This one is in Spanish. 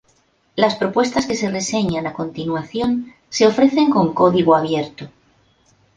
Las propuestas que se reseñan a continuación se ofrecen con código abierto.